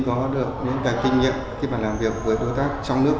có được những cái kinh nghiệm khi mà làm việc với đối tác trong nước